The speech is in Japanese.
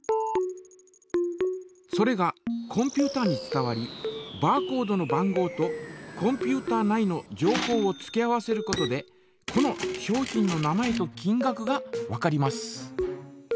それがコンピュータに伝わりバーコードの番号とコンピュータ内の情報を付け合わせることでこの商品の名前と金がくがわかります。